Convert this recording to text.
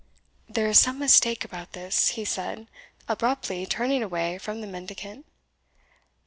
"There is some mistake about this," he said, abruptly turning away from the mendicant.